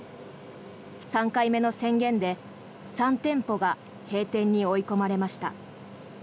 ３回目の宣言で３店舗が閉店に追い込まれました。